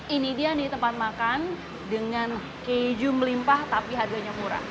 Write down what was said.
ini dia nih tempat makan dengan keju melimpah tapi harganya murah